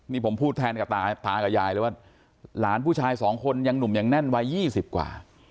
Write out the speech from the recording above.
นี่ผมพูดแทนกับตากับยายเลยว่าหลานผู้ชายสองคนยังหนุ่มยังแน่นวัย๒๐กว่า